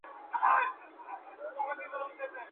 دا نظم مي وساته یو وخت به در یادیږي ..